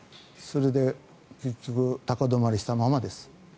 それで、結局高止まりしたままです。